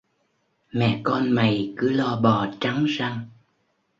Mẹ con mày cứ lo bò trắng răng